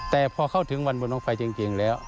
แต่พอเข้าถึงวันบนน้องไฟจริงแล้ว